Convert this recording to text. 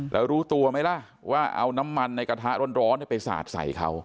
แล้วรู้ตัวไหมล่ะว่าเอาน้ำมันในกระทะร้อนไปสาดใส่เขา